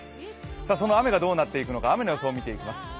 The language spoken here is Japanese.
その雨がどうなっていくのか、雨の予想を見ていきます。